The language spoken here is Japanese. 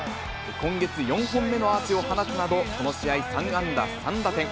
今月４本目のアーチを放つなど、この試合３安打３打点。